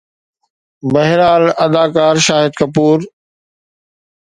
بهرحال، اداڪار شاهد ڪپور